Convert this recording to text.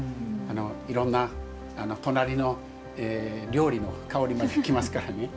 いろんな隣の料理の香りまで来ますからね。